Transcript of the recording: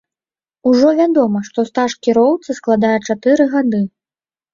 Ужо вядома, што стаж кіроўцы складае чатыры гады.